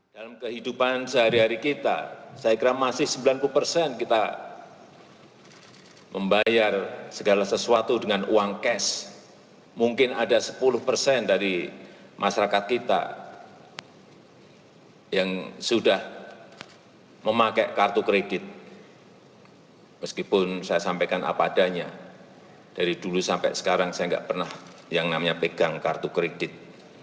dari dulu sampai sekarang saya tidak pernah yang namanya pegang kartu kredit